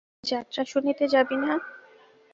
যাত্রা শুনিতে যাবি না?